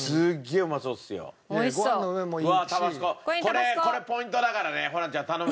これこれポイントだからねホランちゃん頼むよ。